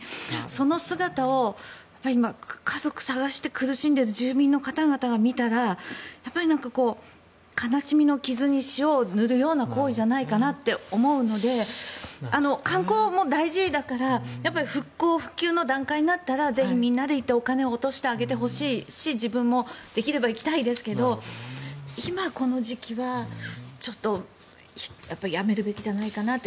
その姿を家族を捜して苦しんでいる住民の方々が見たらやっぱり、悲しみの傷に塩を塗るような行為じゃないかなと思うので観光も大事だから復興、復旧の段階になったらぜひみんなで行ってお金を落としてあげたいし自分もできれば行きたいですけど今、この時期はちょっとやめるべきじゃないかなと。